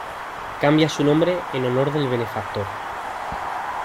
Cambia su nombre en honor del benefactor.